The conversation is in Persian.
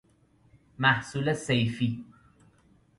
محصول صیفی